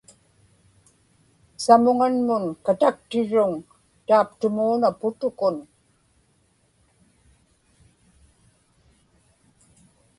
samuŋanmun kataktirruŋ taaptumuuna putukun